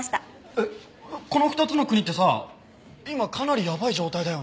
えっこの２つの国ってさ今かなりやばい状態だよね？